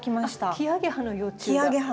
キアゲハの幼虫が。